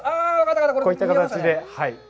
こういった形で。